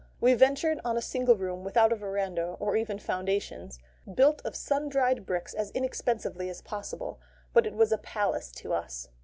We ventured on a single room without a verandah or even foundations built of sun dried bricks as inexpensively as possible. But it was a palace to us.